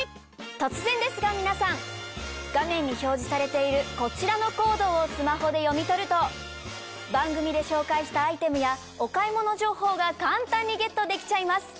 突然ですが皆さん画面に表示されているこちらのコードをスマホで読み取ると番組で紹介したアイテムやお買い物情報が簡単にゲットできちゃいます！